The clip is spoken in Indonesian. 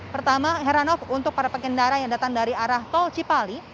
pertama heranov untuk para pengendara yang datang dari arah tol cipali